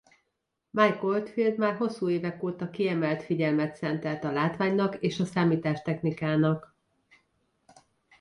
Mike Oldfield már hosszú évek óta kiemelt figyelmet szentelt a látványnak és a számítástechnikának.